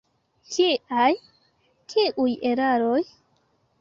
Kiaj, kiuj eraroj?